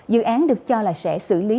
dự án được cho là sẽ xử lý